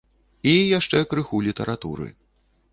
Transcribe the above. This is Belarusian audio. І яшчэ крыху літаратуры.